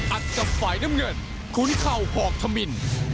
อัศจรรย์ฝ่ายน้ำเงินขุนเข้าหอกธมิน